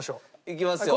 いきますよ。